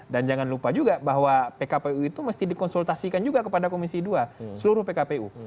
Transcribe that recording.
dan jangan lupa juga bahwa pkpu itu mesti dikonsultasikan juga kepada komisi dua seluruh pkpu